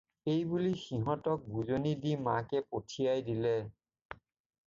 এইবুলি সিহঁতক বুজনি দি মাকে পঠিয়াই দিলে।